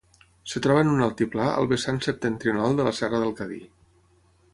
Es troba en un altiplà al vessant septentrional de la serra del Cadí.